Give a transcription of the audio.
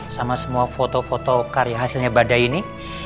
sama semua foto foto karya hasilnya badai ini